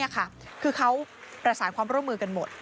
คือเขาประสานความร่วมมือกันหมด